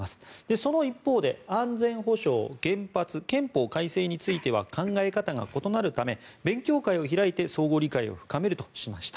その一方で、安全保障原発、憲法改正については考え方が異なるため勉強会を開いて相互理解を深めるとしました。